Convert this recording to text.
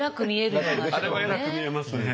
あれは偉く見えますね。